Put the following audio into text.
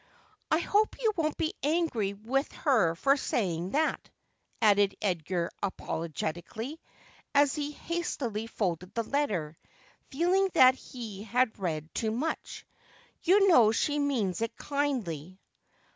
'' I hope you won't be angry with her for saying that,' added Edgar apologetically, as he hastily folded the letter, feeling that he had read too much. ' You know she means it kindly.'